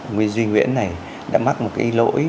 nguyên duy nguyễn này đã mắc một cái lỗi